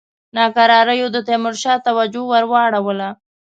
ناکراریو د تیمورشاه توجه ور واړوله.